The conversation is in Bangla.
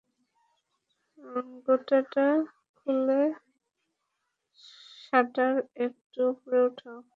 গেটটা খুলে শাটার একটু উপরে উঠাও।